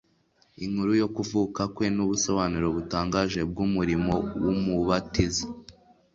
Inkuru yo kuvuka kwe n'ubusobanuro butangaje bw'umurimo w'umubatiza